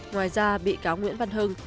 ngoài ra bị cáo nguyễn văn hưng